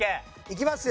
いきます！